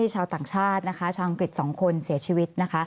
ชาวต่างชาติชาวอังกฤษ๒คนเสียชีวิต